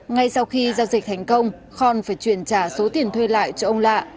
ngay sau khi giao dịch thành công khon phải chuyển trả số tiền thuê lại cho ông lạ